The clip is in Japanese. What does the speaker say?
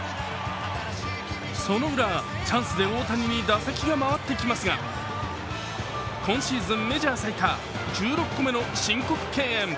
そのウラ、チャンスで大谷に打席が回ってきますが、今シーズンメジャー最多１６個目の申告敬遠。